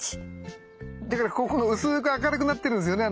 だからここが薄く明るくなってるんですよね？